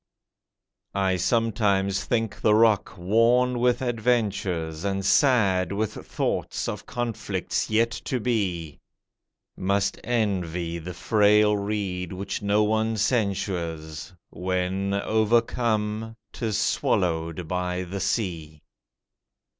I sometimes think the rock worn with adventures, And sad with thoughts of conflicts yet to be, Must envy the frail reed which no one censures, When, overcome, 'tis swallowed by the sea.